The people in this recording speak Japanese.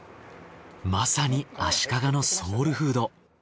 まさに足利のソウルフード。